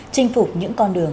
chinh phục những con đường